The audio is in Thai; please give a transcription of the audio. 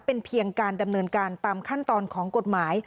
เป็นเพียงการดำเนินการตามขั้นตอนของกฎหมาย